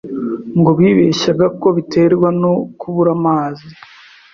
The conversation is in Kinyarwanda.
ngo bibeshyaga ko biterwa no kubura amazi